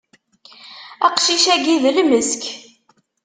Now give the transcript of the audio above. Aqcic-agi d lmesk.